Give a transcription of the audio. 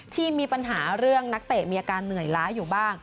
ที่มีปัญหาเรื่องนักเตะมีอาการเหนื่อยล้าอยู่บ้าง